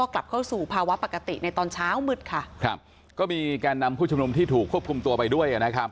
ครับก็มีแกนนำผู้ชมนมที่ถูกควบคุมตัวไปด้วยนะครับ